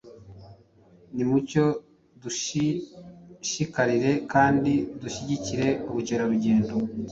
Nimucyo dushishikarire kandi dushyigikire ubukerarugendo